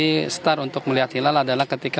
mulai mulai mulai start untuk melihat hilal adalah ketika